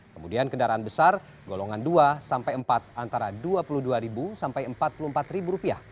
kemudian kendaraan besar golongan dua sampai empat antara rp dua puluh dua sampai rp empat puluh empat